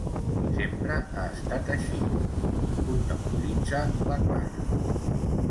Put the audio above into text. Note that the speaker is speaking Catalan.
Sempre ha estat així —contemporitza la Clara—.